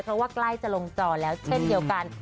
เพราะว่าใกล้จะลงจอแล้วเช่นเดียวกัน